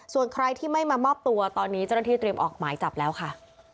ส่วนใครที่ไม่มามอบตัวตอนนี้เจ้าหน้าที่เตรียมออกหมายจับแล้วค่ะ